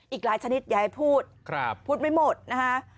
อีกหลายชนิดอย่าให้พูดพูดไม่หมดนะคะ